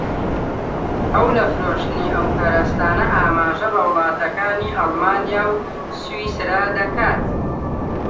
ئەو لە فرۆشتنی ئەو کەرستانە ئاماژە بە وڵاتەکانی ئەڵمانیا و سویسڕا دەکات